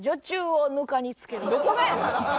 どこがやねん！